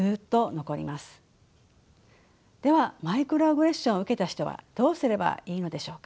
ではマイクロアグレッションを受けた人はどうすればいいのでしょうか。